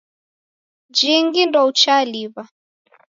Jingi ndouchaliw'a.